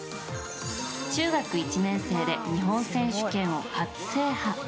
中学１年生で日本選手権を初制覇。